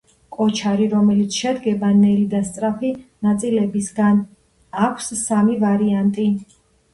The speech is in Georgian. კოჩარი, რომელიც შედგება ნელი და სწრაფი ნაწილებისგან, აქვს სამი ვარიანტი.